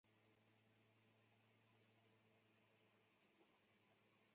此外在糖厂办公室前方不远处摆有蒋公堤碑与压路滚轮纪念碑。